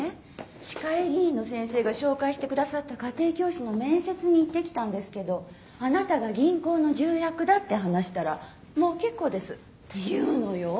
市会議員の先生が紹介してくださった家庭教師の面接に行って来たんですけどあなたが銀行の重役だって話したら「もう結構です」って言うのよ！